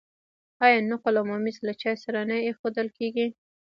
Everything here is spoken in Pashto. آیا نقل او ممیز له چای سره نه ایښودل کیږي؟